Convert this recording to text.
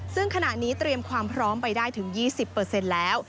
ซึ่งขณะนี้เตรียมความพร้อมไปได้ถึง๒๐แล้ว